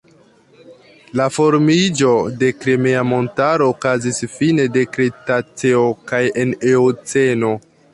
La formiĝo de Krimea montaro okazis fine de kretaceo kaj en eoceno.